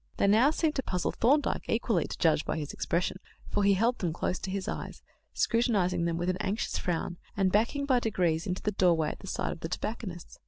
They now seemed to puzzle Thorndyke equally, to judge by his expression, for he held them close to his eyes, scrutinizing them with an anxious frown, and backing by degrees into the doorway at the side of the tobacconist's.